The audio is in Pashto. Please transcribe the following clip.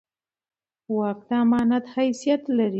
واک د امانت حیثیت لري